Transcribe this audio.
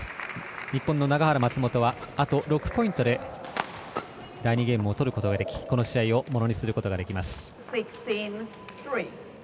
日本の永原、松本はあと６ポイントで第２ゲームをとることができこの試合をものにすることができます。